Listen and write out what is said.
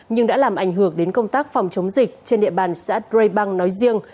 nhưng đã làm ảnh hưởng đến công tác phòng chống dịch trên địa bàn xã đray bang nói riêng